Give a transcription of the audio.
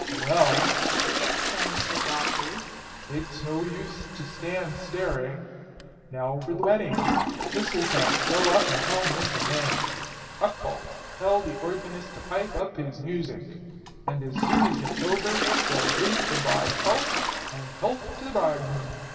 "Well," exclaimed Sir Godfrey, "it's no use to stand staring. Now for the wedding! Mistletoe, go up and tell Miss Elaine. Hucbald, tell the organist to pipe up his music. And as soon as it's over we'll drink the bride's health and health to the bridegroom.